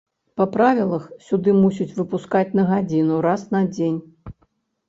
Па правілах, сюды мусяць выпускаць на гадзіну раз на дзень.